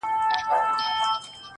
لکه اسمان چي له ملیاره سره لوبي کوي.!